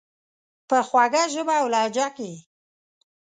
په خوږه ژبه اولهجه کي یې،